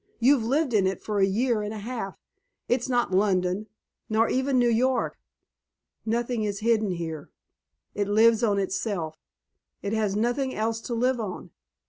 You've lived in it for a year and a half. It's not London, nor even New York. Nothing is hidden here. It lives on itself; it has nothing else to live on.